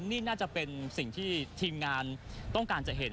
นี่น่าจะเป็นสิ่งที่ทีมงานต้องการจะเห็น